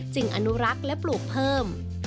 อนุรักษ์และปลูกเพิ่ม